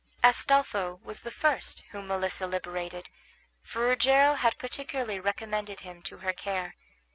Astolpho was the first whom Melissa liberated, for Rogero had particularly recommended him to her care.